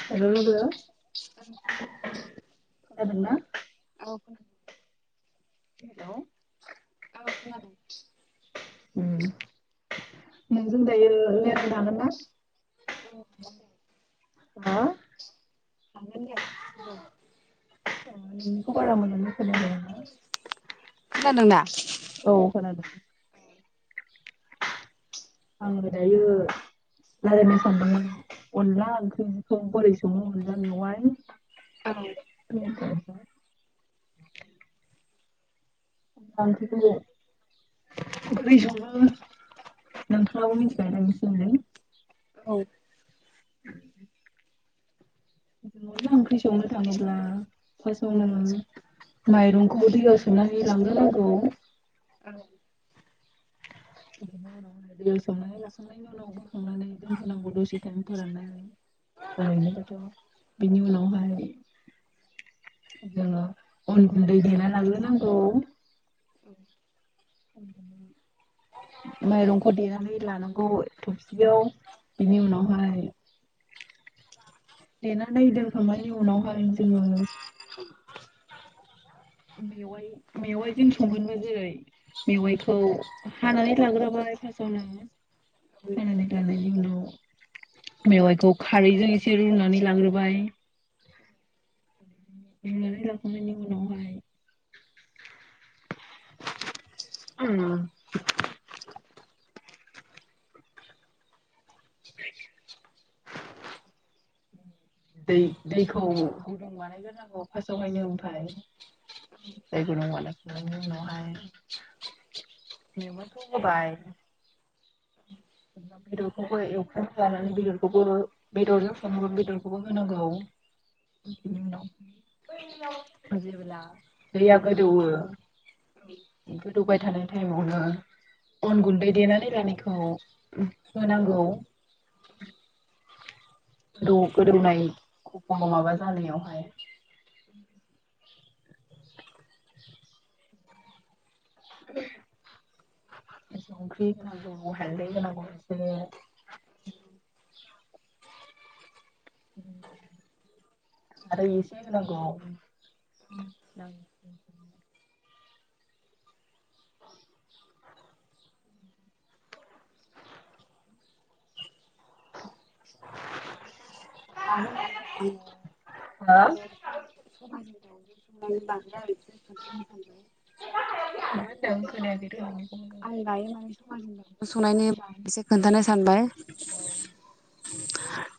हेल' लोगो औ खोनादोंना? औ हेल'? औ खोनादों। ओम। नोंजों दायो लायरायनो हागोन ना? औ हागोन दे। हा? हागोन दे [unintelligible] [unintelligible] [unintelligible] खोनादों दा? औ खोनादों आंङो दायो रायलायनो सानदोंमोन अनला ओंख्रिखौ बोरै सङो अनला जोंहाय। [unintelligible] [unintelligible] [inaudible] ओख्रि सङो नोंथाङाबो मिथिखायोना [unintelligible] औ। [unintelligible] अनला ओंख्रि संनो थाङोब्ला फासावनो माइरंखौ दैयाव सोमानै लांग्रोनांगौ। बेनि उनावहाय दैयाव सोमनानै लाखांनायनि उनाव बोखांनानै दोनथनांगौ दसे टाइम फोराननानै ओरैनोबाथ' बिनि उनावहाय जोङो अन गुन्दै देना लाग्रोनांगौ। माइरंखौ देनानै लानांगौ थबसियाव बिनि उनावहाय देनानै दोनखांनायनि उनावहाय जोंङो मेवाइ मेवाइजों संगोनबा जेरै मेवाइखौ हानानै लाग्रोबाय फार्स्टआवनो हानानै लानायनि उनाव मेवाइखौ खारैजों एसे रुनानै लाग्रोबाय देनानै लाखांनायनि उनावहाय ओ। दै दैखौ गुदुं बानायग्रोनांगौ फार्स्टआवहायनो ओमफाय दै गुदुं बानायखांनायनि उनावहाय मेवाइखौ होबाय। अमा बेदरखौबो एवफ्राम जानानै बेदरखौबो बेदरजों सांङो बेदरखौबो होनांगौ बिनि उनाव बैयाव जेब्ला दैया गोदौओ गोदौबाय थानाय टाइमावनो अन गुन्दै देनानै लानायखौ। उम होनांगौ गोदौ गोदौनायखौ माबा जानायावहाय संख्रै होनांगौ हालदै होनांगौ एसे। हालदै इसे होनांगौ। हा [unintelligible] [unintelligible] मा होनदों खोनायाखै दै आं। आं दायो नानि सबायजों जादों। संनायनि फारसे खोन्थानो सानबाय। औ।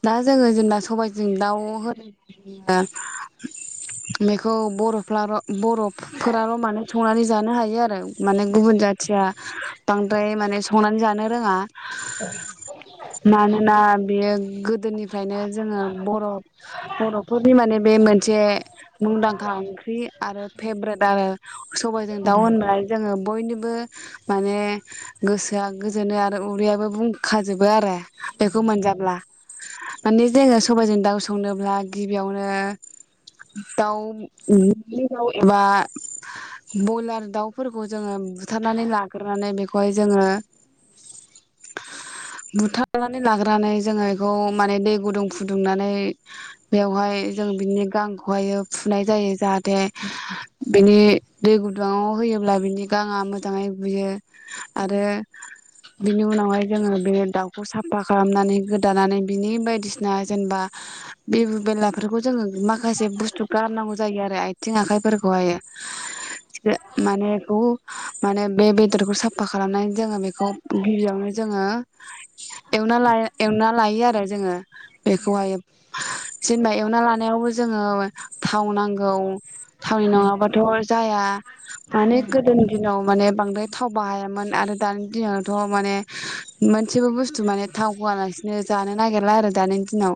दा जोंङो जेनबा सबाइजों दाउ होनो बेखौ बरफ्राल' बरफोराल' मानो संनानै जानो हायो आरो। माने गुबुन जाथिया बांद्राय माने संनान जानो रोंङा। मानोना बियो। गो। दोनिफ्रायनो जोङो बर' बर'फोरनि माने बे मोन। जे। मुंदांखा ओंख्रि आरो फेब्रेट आरो सबाइजों दाउ होनबाथाय जोंङो। बयनिबो माने गोसोआ गोजोनो आरो उदैयाबो बुंखाजोबो आरो। एखौ मोनजाब्ला। माने जोंङो सबायजों दाउ संनोब्ला गिबियावनो। दाव उ। गिबियाव एबा बयलार दाउफोरखौ जोंङो बुथारनानै लाग्रोनानै बेखौहाय जोङो। बुथारनानै लागोन। बानै जोंङो। खौ माने दै गुदुं फुदुंनानै बेवहाय जों बिनि गांखौहायो फुनाय जायो जाहाथे बिनि दै गुदुङाव होयोब्ला बिनि गांङा मोजाङै गुयो आरो बिनि उनावहाय जोंङो बे दाउखौ साफा खालामनानै गो। दानानै बिनि बायदिसना जेनबा बिबु बेलाफोरखौ जोङो माखासे बुस्थु गारनांगौ जायो आरो आइथिं आखाइफोरखौहायो थिखो माने गौ माने बे बेदरखौ साफा खालामनान जोंङो बेखौ गिबियावनो जोंङो एवना लाय। एवना लायो आरो। जोङो बेखौहाय जेनेबा एवना लानायावबो जोङो थाव नांगौ। थावनि नङाबाथ जाया माने गोदोनि दिनाव माने बांद्राय थाव बाहायामोन आरो। दानि दिनावथ माने मोनसेबो बुस्थु माने थाव होआलासे। बिनो जानो नागिरला आरो दानि दिनाव।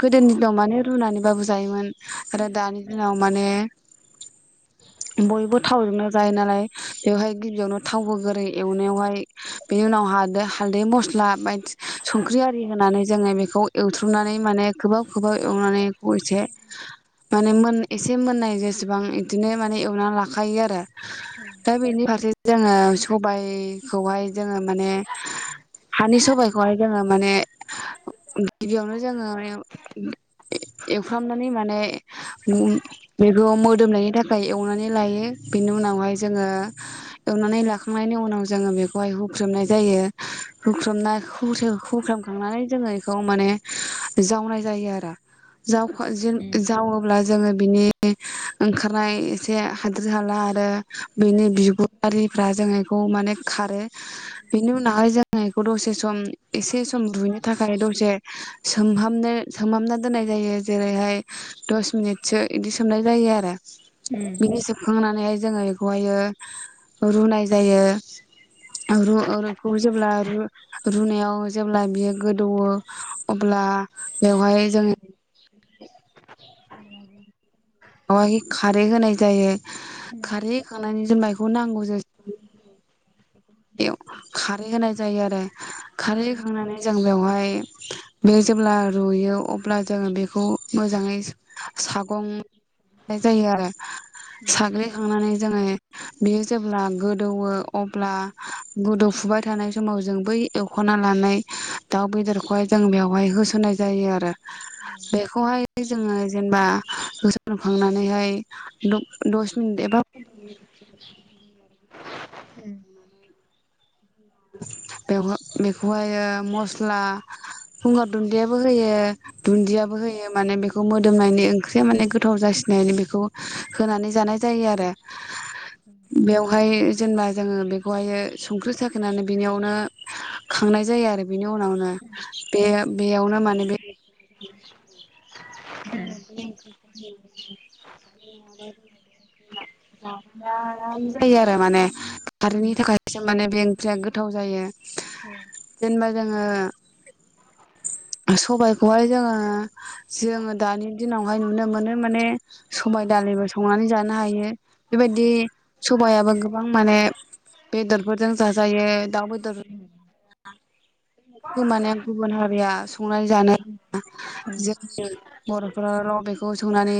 गोदोनि दिनाव माने रुनानैबाबो जायोमोन। आरो दानि दिनाव माने बयबो थावजोंनो जायो नालाय बेवहाय गिबियावनो थावबो होगोरो एवनायावहाय बेनि उनाव हा हालदै मस्ला बायदि सं ख्रि आरि होनानै जोङो बेखौ एवथ्रुमनानै माने खोबहाब खोबहाब एवनानै गयसे माने मोन एसे मोननाय जेसेबां बिदिनो माने एवनानै लाखायो आरो। दा बेनि फारसे जोङो सबायाइखौहाय जोङो माने हानि स बायखौहाय जोंङो। माने गिबियावनो जोङो एवफ्रामनानै माने बेखौ मोदोमनायनि थाखाय एवनानै लायो। बेनि उनावहाय जोङो एवनानै लाखांनायनि उनाव जोङो बेखौ बेहाय हुख्रमनाय जायो हुख्रमनाखौ। हुख्रुमखांनानै जोङो बेखौ माने जावनाय जायो आरो। जावखा जावोब्ला जोङो। बिनि ओंखारनाय एसे हाद्रि हाला आरो बिनि बिगुआरिफ्रा जों बेखौ माने खारो। बेनि उनावहाय जो बेखौ दसे सम एसे सम दुहैनो थाखाय दसे सोमहामनो सोमहामना दोननाय जायो। जेरैहाय दस मिनिटसो बिदि सोमनाय जायो आरो। बे सोबखांनानै जोङो बेखौहाय औ रुनाय जायो। रनायखौ जेब्ला रुनायाव जेब्ला बियो गोदौवो अब्ला बेवहाय जों हम। बावहाय खारै होनाय जायो, खारै होखांनानै जों माइखौ नांगौ जा। बेयाव खारै होनाय जायो आरो। खारै होखांनानै जों बेवहाय बे जेब्ला रुयो अब्ला जोङो बेखौ मोजाङै सागंनाय जायो आरो साग्लिखांनानै जोङो बेयो जेब्ला गोदौवो अब्ला गोदौफुबाय थानाय समाव जों बै एवखना लानाय दाउ बेदरखौहाय जों बेवहाय होसनाय जायो आरो बेखौहाय जोङो जेनेबा होसनखांनानै हाय दस मिनिट एबा उम बे बेखौहायो मस्ला गंगार दुन्दियाबो होयो दुन्दियाबो होयो माने बेखौ बेखौ मोदोमनायनि ओंख्रिया माने गोथाव जासिनायनि बेखौ होनानै जानाय जायो आरो। बेवहाय जेनेबा जोङो बेखौहायो संख्रि साखि होनानै बिनियावनो खांनाय जायो आरो बिनि उनावनो बे बेयावनो माने बे [unintelligible] [unintelligible] जायो आरो माने खारैनि थाखायसो माने बे ओंख्रिया गोथाव जायो जेनेबा जोङो सबायाइखौहाय जोङो जोङो दानि दिनावहाय नुनो मोनो माने सबायाइ दालिबो संनानै जानो हायो बेबायदि सबायाबो गोबां माने बेदरफोरजों जाजायो दाउ बेद दर गो माने गुबुन हारिया संनाय जानाय जोंनि बर'फोरा र' बेखौ खौ संनानै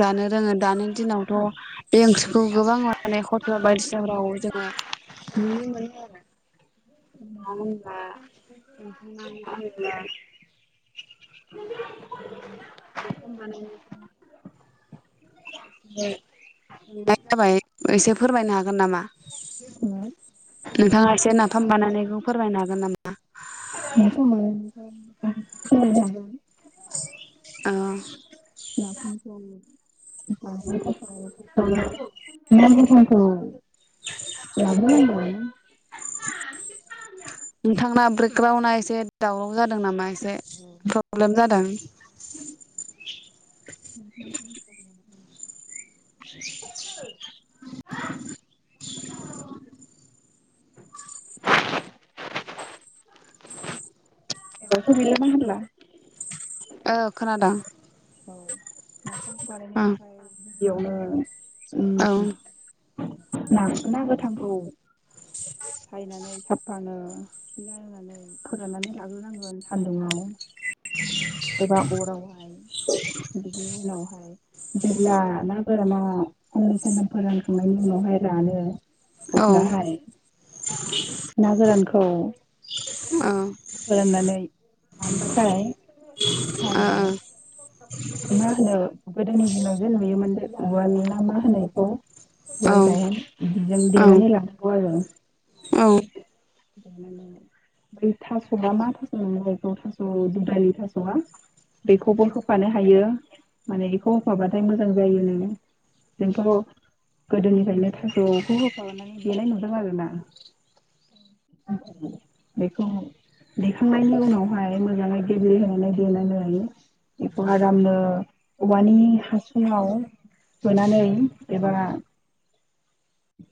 जानो रोङो दानो दिनावथ' बे ओंख्रि खौ गोबां माने हटेल बायदिसिनाफोराव जोङो नुनो मोनो आरो मानो होनब्ला नोंथांनाबो‌ [unintelligible] नाफाम बानायनायखौ मोननाय जाबाय एसे फोरमायनो हागोन नामा? हा? नोंथाङा एसे नाफाम बानायनायखौ फोरमायनो हागोन नामा? [unintelligible] औ [unintelligible] [unintelligible] नोंथांना ब्रेकग्राउनआ एसे दावराव जादों नामा एसे प्रब्लेम जादों [inaudible] बेखौ बेलाय मा [inaudible] होनला औ खोनादों औ नाफामखौ बानायनो ओं थाखाय गिबियावनो औ ना ना गोथांखौ सायनानै साफानो खिगार होनानै फोराननानै लाग्रोनांगोन सान्दुङाव [inaudible] एबा आरावहाय [inaudible] जेब्ला फोरामा साननै सानथाम फोरानखांनायनि उनावहाय रानो औ ओ अब्लाहाय ना गोरानखौ फोराननानै रानबाथाय मा होनो मा होनो गोदोनि दिनाव नुयोमोन उवालनि‌ ना मा होनो बेखौ उवाल ओ गाहेन बिदिजों औ देनानै लानांगौ आरो। औ। बे थास'आ मा थास' नो होनोमोन‌ इखौहा थास' भुथानि थास'आ बेखौबो होफानो हायो माने बेखौ होफाबा मोजां जायो नो जोंथ' गोदोनिफ्रायनो थास'खौ होफानानै देनाय नुदों आरोना बेखौ देखांनायनि उनावहाय मोजाङै गेब्लेहोनानै देनानै हायो बेखौ आरामनो औवानि हासुङाव सोनानै एबा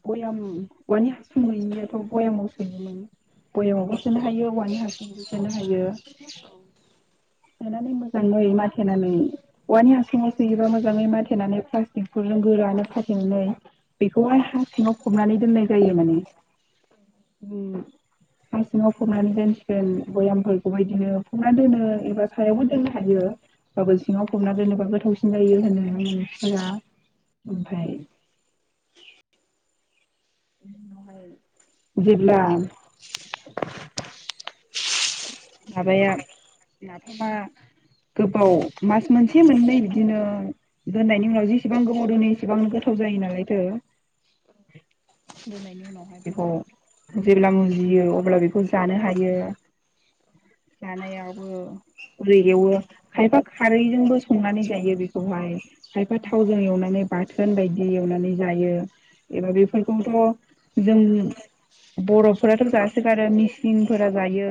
भयाम औवानि हासुं गैयनायथ' भयामाव सोयोमोन बयामावबो सोनो हायो औवानि ह [unintelligible] मोजाङै माथेनानै औवानि हासुङाव सोयोबा मोजां मोजाङै माथेनानै प्लास्टिकफोरजों गोरानो खाथेनानै बेखौहाय हा सिङाव फबनानै दोननाय जायो माने उम हा सिङाव फबनानै दोनसिगोन भयामफोरखौबो बिदिनो फबनानै दोनो एबा सायावबो दोननो हायो ओमबाबो सिङाव फबना दोनोबा गोथावसिन जायो। होनो मानसिफोरा ओमफ्राय जेब्ला। माबाया नाफामा गोबाव मास मोनसे मोननै बिदिनो दोननायनि उनाव जेसेबां गोबाव दोनो एसेबां गोथाव जायो नालायथो दोननायनि उनावहाय बेखौ जेब्ला मुजियो अब्ला बेखौ जानो हायो। जानायावबो [unintelligible] एवो खायफा खारैजोंबो संनानै जायो बेखौहाय खायफा थावजों एवनानै बाथोन बायदि एवनानै जायो एबा बेफोरखौथ जों बरफोराथ जासोगारो मिसिंफोरा जायो।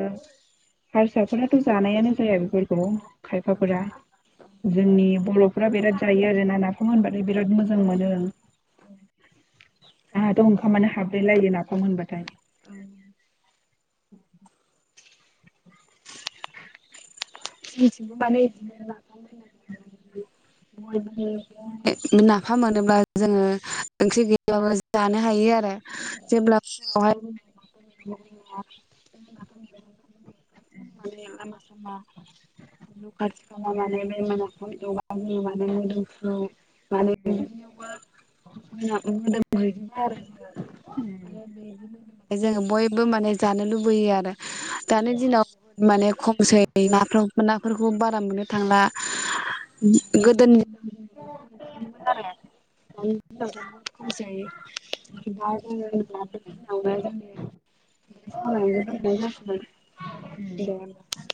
हारसाफोराथ जानायानो जाया बेफोरखौ खायफाफोरा जोंनि बरफोरा बिराद जायो आरोना नाफाम होनबाथाय बिराद मोजां मोनो आंहाथ ओंखामानो हाब्रे लायो नाफाम होनबाथाय [unintelligible] नाफाम मोनोब्ला जोङो ओंख्रि गैयाबाबो जानो हायो आरो जेब्ला फुङावहाय। [unintelligible] [unintelligible] [unintelligible] उम जोङो बयबो माने जानो लुबैयो आरो। दानि दिनाव माने खमसै [unintelligible] नाफोरखौ बारा मोननो थांला। उम [unintelligible]